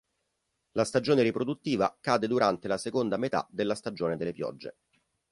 La stagione riproduttiva cade durante la seconda metà della stagione delle piogge.